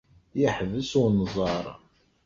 Yeḥbes unẓar.